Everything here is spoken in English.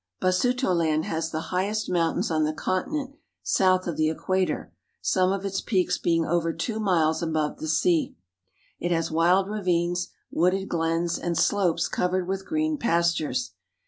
Basutoland has the highest mountains on the continent south of the equa tor, some of its peaks being over two miles above the rsea. It has wild ravines, wooded glens, and slopes 1 ^vered with green pastures.